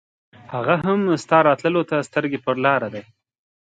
هغه هم ستا راتلو ته سترګې پر لار دی.